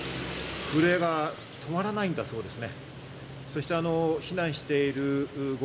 震えが止まらないんだそうですね。